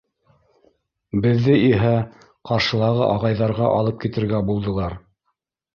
Беҙҙе иһә ҡаршылағы ағайҙарға алып китергә булдылар.